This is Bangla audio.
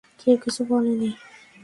কেউ কিছু বলেনি।